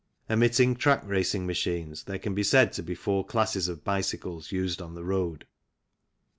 Omitting track racing machines, there can be said to be four classes of bicycles used on the road.